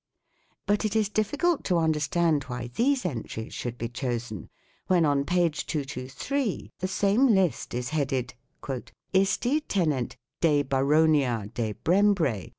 But it is difficult to understand why these entries should be chosen when on p. 223 the same list is headed "Isti tenent de baronia de Brembre